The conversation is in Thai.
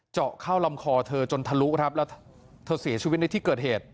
เจาะเข้าลำคอเธอจนทะลุครับแล้วเธอเสียชีวิตในที่เกิดเหตุ